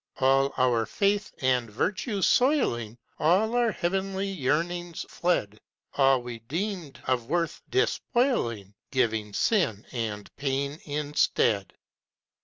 All our faith and virtue soiling, All our heavenly yearnings fled, All we deemed of worth, despoiling, Giving sin and pain instead.